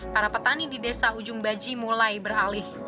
para petani di desa ujung baji mulai beralih